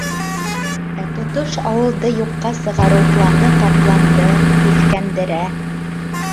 Ә тотош ауылды юҡҡа сығарыу планы ҡапланды һиҫкәндерә.